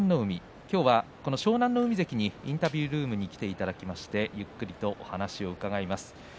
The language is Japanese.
今日はこの湘南乃海関にインタビュールームに来ていただきまして、ゆっくりとお話を伺います。